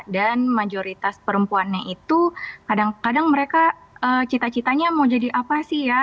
dan majoritas perempuannya itu kadang kadang mereka cita citanya mau jadi apa sih ya